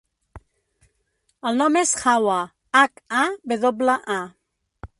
El nom és Hawa: hac, a, ve doble, a.